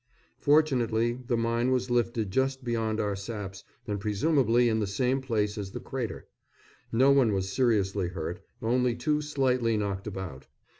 Fortunately the mine was lifted just beyond our saps, and presumably in the same place as the crater. No one was seriously hurt only two slightly knocked about.